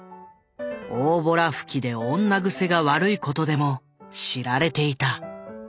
大ぼら吹きで女癖が悪いことでも知られていた。